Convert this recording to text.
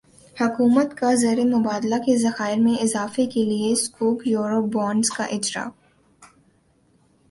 حکومت کازر مبادلہ کے ذخائر میں اضافے کےلیے سکوک یورو بانڈزکا اجراء